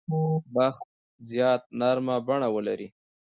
بحث باید نرمه بڼه ولري.